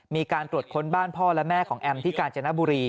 มีการตรวจค้นบ้านพ่อและแม่ของแอมที่กาญจนบุรี